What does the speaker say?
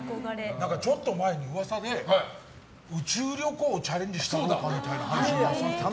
ちょっと前に噂で宇宙旅行チャレンジしようかみたいな話なさってた。